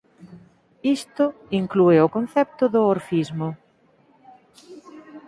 Isto inclúe o concepto do "Orfismo".